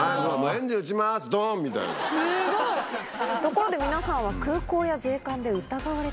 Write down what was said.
ところで皆さんは。